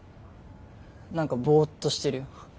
何かぼっとしてるよ。